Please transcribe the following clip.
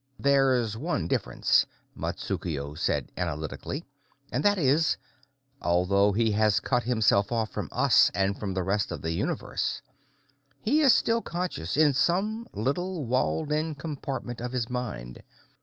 "There's one difference," Matsukuo said analytically. "And that is that, although he has cut himself off from us and from the rest of the universe, he is still conscious in some little, walled in compartment of his mind.